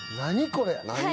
これ。